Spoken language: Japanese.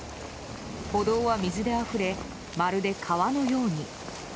歩道は水であふれまるで川のように。